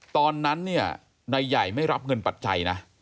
ตอนนั้นเนี่ยนายใหญ่ไม่รับเงินปัจจัยนะ